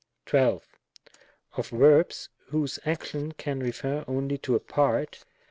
12. Of verbs whose action can refer only to a part, §115.